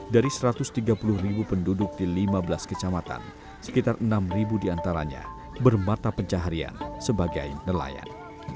dari satu ratus tiga puluh ribu penduduk di lima belas kecamatan sekitar enam diantaranya bermata pencaharian sebagai nelayan